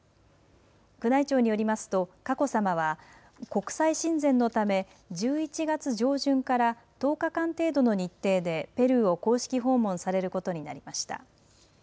宮内庁によりますと、佳子さまは、国際親善のため、１１月上旬から１０日間程度の日程でペルーを公式訪問されることになりました。